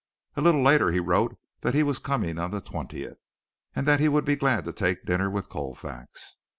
A little later he wrote that he was coming on the twentieth and that he would be glad to take dinner with Colfax.